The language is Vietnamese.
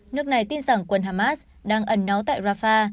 nước này tin rằng quân hamas đang ẩn náu tại rafah